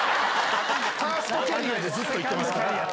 ファーストキャリアでずっといってますから。